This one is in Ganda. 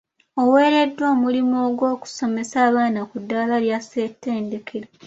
Oweereddwa omulimu gw'okusomesa abaana ku ddaala lya ssettedekero.